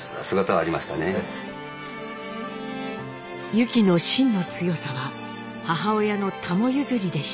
ユキのしんの強さは母親のタモ譲りでした。